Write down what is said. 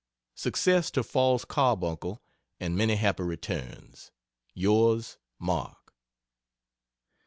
Success to Fall's carbuncle and many happy returns. Yours, MARK.